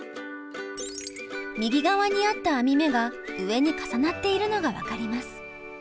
右側にあった編み目が上に重なっているのが分かります。